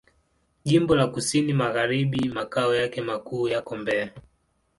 Jimbo la Kusini Magharibi Makao yake makuu yako Mbeya.